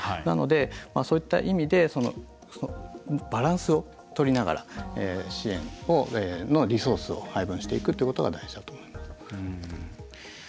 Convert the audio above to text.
なので、そういった意味でバランスをとりながら支援のリソースを配分していくということが大事だと思います。